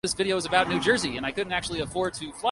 এই প্রতিযোগিতার আগে বিশ্ব ও অলিম্পিক রেকর্ড নিচে দেওয়া হল।